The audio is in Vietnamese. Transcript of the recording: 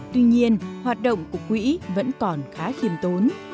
tuy nhiên hoạt động của quỹ vẫn còn khá khiêm tốn